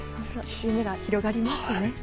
夢が広がりますね。